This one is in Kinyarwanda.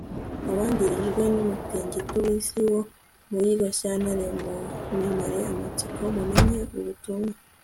abangirijwe n'umutingito w'isi wo muri gashyantare, munimare amatsiko mumenye ubutumwa